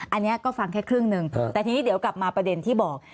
อันนี้ก็ฟังแค่ครึ่งหนึ่งแต่ทีนี้เดี๋ยวกลับมาประเด็นที่บอก